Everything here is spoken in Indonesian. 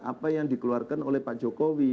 apa yang dikeluarkan oleh pak jokowi